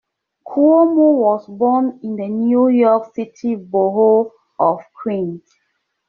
Cuomo was born in the New York City borough of Queens.